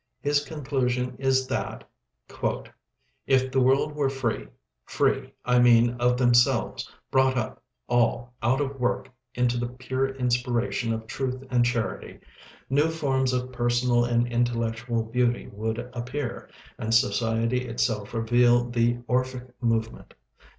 His conclusion is that "if the world were free, free, I mean, of themselves; brought up, all, out of work into the pure inspiration of truth and charity, new forms of personal and intellectual beauty would appear, and society itself reveal the Orphic movement.